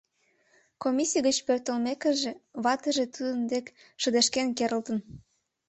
Комиссий гыч пӧртылмекыже, ватыже тудын дек шыдешкен керылтын.